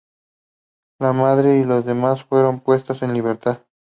La madre y los demás fueron puestos en libertad.